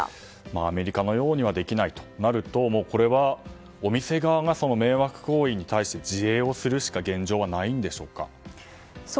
アメリカのようにはできないとなるとお店側が迷惑行為に対して自衛をするしか現状はないんでしょうか。